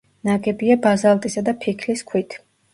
ნაგებია ბაზალტისა და ფიქლის ქვით.